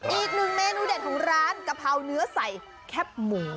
อีกหนึ่งเมนูเด็ดของร้านกะเพราเนื้อใส่แคบหมู